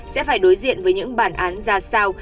sẽ phải đối diện với những bản án ra sao